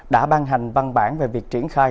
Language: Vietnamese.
đã ban hành văn bản về việc triển khai